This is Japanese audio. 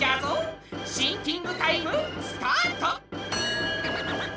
シンキングタイムスタート！